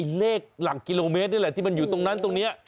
เลขหลักกิโลเมตรนี่แหละที่มันอยู่ตรงนั้นตรงนี้